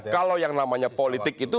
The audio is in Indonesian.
kalau yang namanya politik itu